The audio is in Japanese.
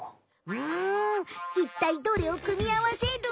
うんいったいどれをくみあわせる？